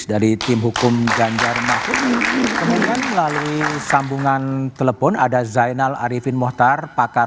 dari tim hukum ganjar mahfud kemudian melalui sambungan telepon ada zainal arifin mohtar pakar